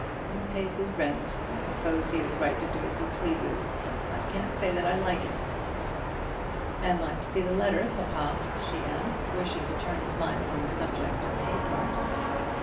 He pays his rent, and I suppose he is right to do as he pleases. But I can't say that I like it." "Am I to see the letter, papa?" she asked, wishing to turn his mind from the subject of the hay cart.